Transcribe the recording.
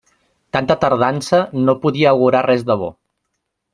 Tanta tardança no podia augurar res de bo.